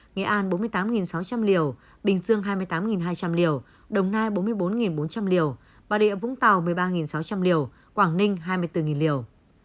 nghệ an bốn mươi tám sáu trăm linh liều bình dương hai mươi tám hai trăm linh liều đồng nai bốn mươi bốn bốn trăm linh liều bà rịa vũng tàu một mươi ba sáu trăm linh liều quảng ninh hai mươi bốn liều